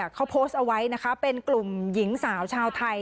เขาโพสต์เอาไว้นะคะเป็นกลุ่มหญิงสาวชาวไทย